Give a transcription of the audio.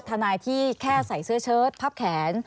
ทนายที่แค่ใส่เสื้อเชิดพับแขน